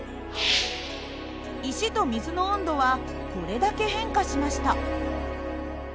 石と水の温度はこれだけ変化しました。